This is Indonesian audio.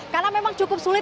karena memang cukup sulit